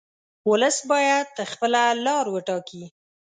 ولس باید خپله لار وټاکي.